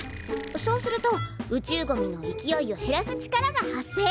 そうすると宇宙ゴミの勢いを減らす力が発生。